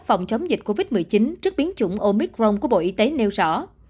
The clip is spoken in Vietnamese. phòng chống dịch covid một mươi chín trước biến chủng omicron của bộ y tế nêu rõ